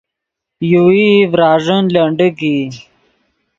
یوویئی ڤراݱین لنڈیک ای